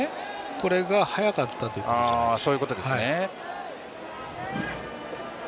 これが速かったということじゃないですか。